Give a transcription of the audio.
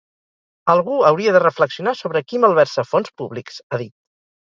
Algú hauria de reflexionar sobre qui malversa fons públics, ha dit.